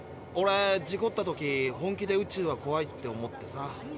オレ事故った時本気で「宇宙はこわい」って思ってさ